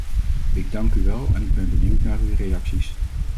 Ik dank u wel en ik ben benieuwd naar uw reacties.